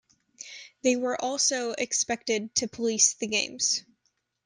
They were also expected to police the games.